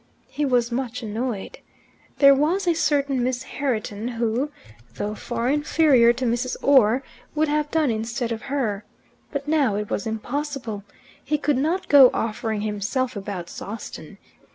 He was much annoyed. There was a certain Miss Herriton who, though far inferior to Mrs. Orr, would have done instead of her. But now it was impossible. He could not go offering himself about Sawston.